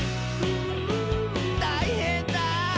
「たいへんだスイ